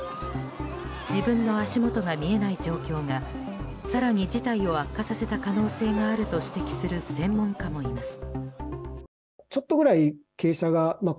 自分の足元が見えない状況が更に事態を悪化させた可能性があると指摘する専門家もいます。